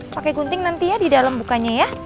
pakai gunting nantinya di dalam bukanya ya